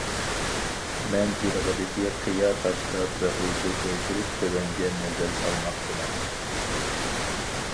مەن جىلغىدىكى قىيا تاشتا بەھۇزۇر ئولتۇرۇپ تۆۋەنگە نەزەر سالماقتىمەن.